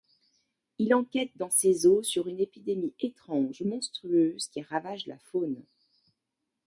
Il enquête dans ces eaux sur une épidémie étrange, monstrueuse, qui ravage la faune.